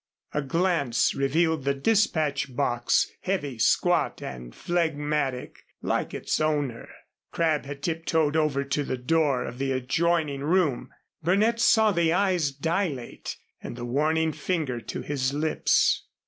A glance revealed the dispatch box, heavy, squat and phlegmatic, like its owner. Crabb had tiptoed over to the door of the adjoining room. Burnett saw the eyes dilate and the warning finger to his lips.